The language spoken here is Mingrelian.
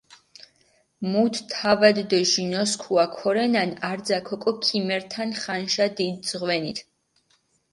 მუთ თავადი დო ჟინოსქუა ქორენან, არძაქ ოკო ქიმერთან ხანიშა დიდი ძღვენით.